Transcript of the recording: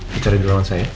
bicarain dulu sama saya